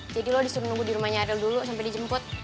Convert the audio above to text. jadi lo disuruh nunggu di rumahnya ariel dulu sampai dijemput